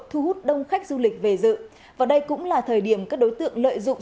thu hút đông khách du lịch về dự và đây cũng là thời điểm các đối tượng lợi dụng